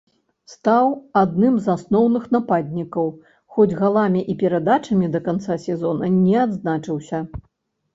Стаў адным з асноўных нападнікаў, хоць галамі і перадачамі да канца сезона не адзначыўся.